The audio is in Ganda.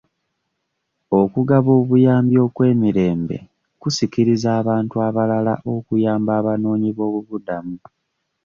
Okugaba obuyambi okw'emirembe kusikiriza abantu abalala okuyamba abanoonyi b'obubuddamu.